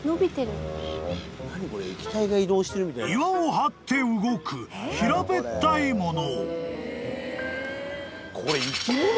［岩をはって動く平べったいもの］